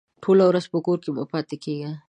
ټوله ورځ په کور کې مه پاته کېږه!